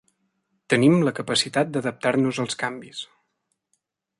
Tenim la capacitat d'adaptar-nos als canvis.